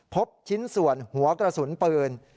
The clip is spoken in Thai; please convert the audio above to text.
พบชิ้นส่วนหัวกระสุนปืน